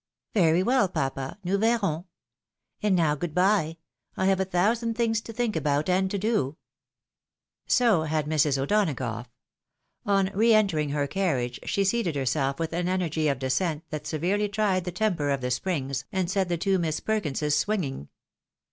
" Very well, papa ; nous verrons. And now, good bye ; I have a thousand things to think about and to do." ■^* ■Jp is ■Jp So had Mrs. O'Donagough. On re entering her carriage she seated herself with an energy of descent that severely tried the temper of the springs, and set the two Miss Perkinses swinging.